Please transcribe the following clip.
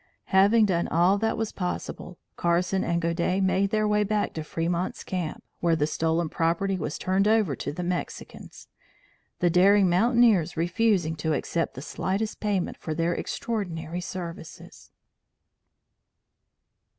Having done all that was possible, Carson and Godey made their way back to Fremont's camp, where the stolen property was turned over to the Mexicans, the daring mountaineers refusing to accept the slightest payment for their extraordinary services.